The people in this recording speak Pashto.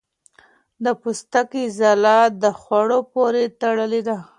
د پوستکي ځلا د خوړو پورې تړلې ده.